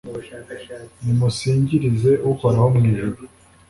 Nimusingirize Uhoraho mu ijuru